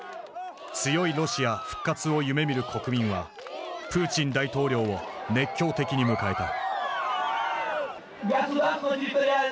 強いロシア復活を夢みる国民はプーチン大統領を熱狂的に迎えた。